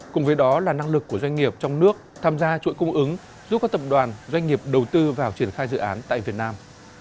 cùng với đó là năng lực của doanh nghiệp trong nước tham gia chuỗi cung ứng giúp các tập đoàn doanh nghiệp đầu tư vào triển khai dự án tại việt nam